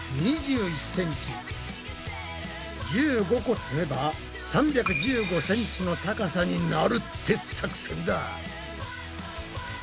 １５個積めば３１５ｃｍの高さになるって作戦だ！